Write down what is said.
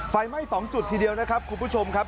ไฟไหม้๒จุดทีเดียวนะครับคุณผู้ชมครับ